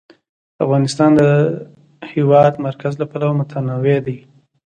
افغانستان د د هېواد مرکز له پلوه متنوع دی.